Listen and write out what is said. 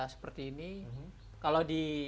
seperti ini kalau di